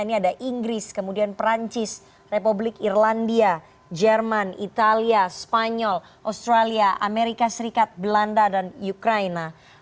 ini ada inggris kemudian perancis republik irlandia jerman italia spanyol australia amerika serikat belanda dan ukraina